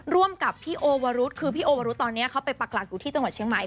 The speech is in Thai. ร่วมกับพี่โอวรุษคือพี่โอวรุธตอนนี้เขาไปปักหลักอยู่ที่จังหวัดเชียงใหม่